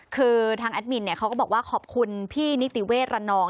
คือทางแอดมินเขาก็บอกว่าขอบคุณพี่นิติเวศระนอง